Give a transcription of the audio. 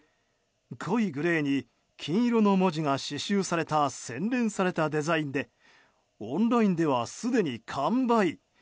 濃いグレーに金色の文字が刺しゅうされた洗練されたデザインでオンラインではすでに完売。